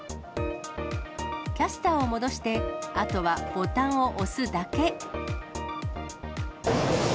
キャスターを戻して、あとはボタンを押すだけ。